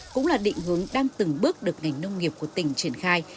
cũng là định hướng đang từng bước được ngành nông nghiệp của tỉnh triển khai